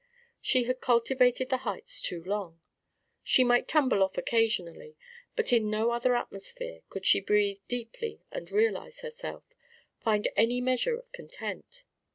She had cultivated the heights too long. She might tumble off occasionally, but in no other atmosphere could she breathe deeply and realise herself, find any measure of content.